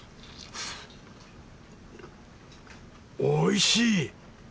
おいしい！